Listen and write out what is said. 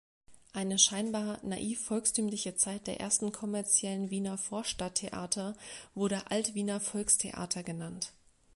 Eine scheinbar naiv-volkstümliche Zeit der ersten kommerziellen Wiener Vorstadttheater wurde Alt-Wiener Volkstheater genannt.